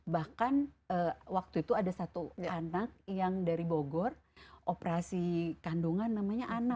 bahkan waktu itu ada satu anak yang dari bogor operasi kandungan namanya ana